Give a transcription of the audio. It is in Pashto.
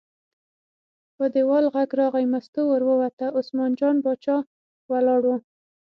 په دیوال غږ راغی، مستو ور ووته، عثمان جان باچا ولاړ و.